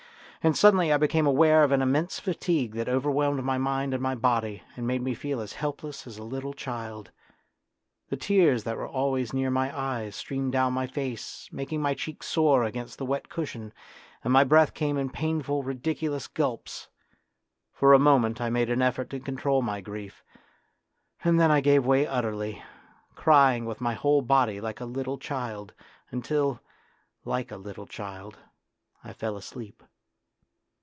And suddenly I became aware of an immense fatigue that overwhelmed my mind and my body, and made me feel as helpless as a little child. The tears that were always A DRAMA OF YOUTH 39 near my eyes streamed down my face, making my cheek sore against the wet cushion, and my breath came in painful, ridiculous gulps. For a moment I made an effort to control my grief; and then I gave way utterly, crying with my whole body like a little child, until, like a little child, I fell asleep.